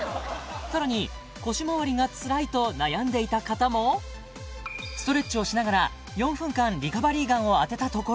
さらに腰まわりがつらいと悩んでいた方もストレッチをしながら４分間リカバリーガンを当てたところ